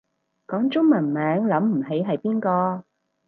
講中文名諗唔起係邊個